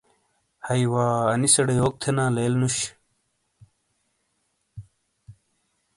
ہیئ وا انیسیڑے یوک تھینا لیل نُش۔